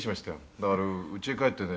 だからうちへ帰ってね